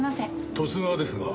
十津川ですが。